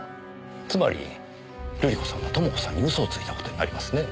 つまり瑠璃子さんは朋子さんに嘘をついた事になりますねぇ。